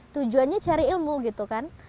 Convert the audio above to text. tujuannya cari ilmu gitu kan